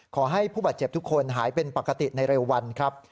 ขอให้ผู้บาดเจ็บทุกคนหายเป็นปกติในเร็ววันครับ